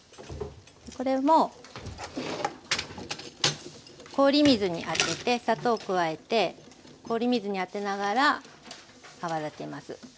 これも氷水に当てて砂糖を加えて氷水に当てながら泡立てます。